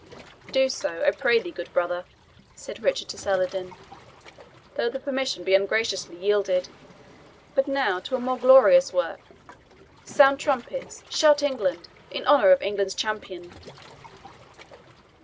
"Do so, I pray thee, good brother," said Richard to Saladin, "though the permission be ungraciously yielded. But now to a more glorious work. Sound, trumpets shout, England in honour of England's champion!"